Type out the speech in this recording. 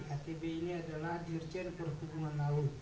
atb ini adalah dirjen perhubungan laut